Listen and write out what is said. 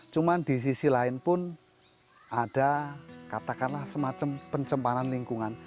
cuma di sisi lain pun ada katakanlah semacam pencemparan lingkungan